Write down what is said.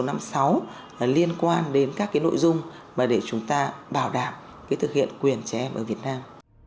các báo liên quan đến các cái nội dung mà để chúng ta bảo đảm cái thực hiện quyền trẻ em ở việt nam